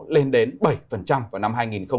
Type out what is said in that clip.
lên đến bảy vào năm hai nghìn hai mươi